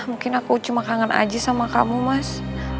mungkin aku cuma kangen aja sama kamu mas